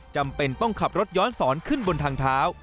จำเป็นต้องขับรถย้อนสอนขึ้นบนทางเท้า